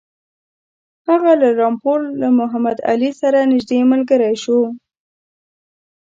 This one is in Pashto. هغه له رامپور له محمدعلي سره نیژدې ملګری شو.